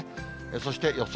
そして予想